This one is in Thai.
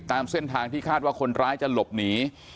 ตามเส้นทางที่คาดว่าคนร้ายจะหลบหนี